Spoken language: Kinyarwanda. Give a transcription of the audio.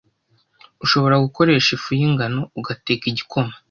Ushobora gukoresha ifu y’ingano, ugateka igikoma,